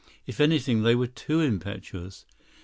If anything, they were too impetuous.